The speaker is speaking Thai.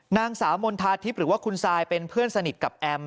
นางสาวมณฑาทิพย์หรือว่าคุณซายเป็นเพื่อนสนิทกับแอม